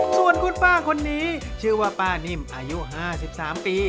ส่วนคุณป้าคนนี้ชื่อว่าป้านิ่มอายุ๕๓ปี